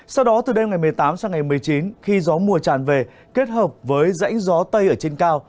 sau đó từ đêm ngày một mươi tám sang ngày một mươi chín khi gió mùa tràn về kết hợp với rãnh gió tây ở trên cao